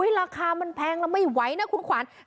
ราคามันแพงและไม่ไว้นั่นคุณขวาน